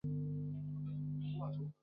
象神转为向东北方向移动。